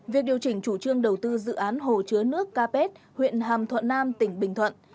việc điều chỉnh chủ trương đầu tư dự án hồ chứa nước capet huyện hàm thuận nam tỉnh bình thuận